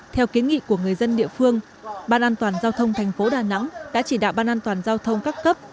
theo kiến nghị của người dân địa phương ban an toàn giao thông thành phố đà nẵng đã chỉ đạo ban an toàn giao thông các cấp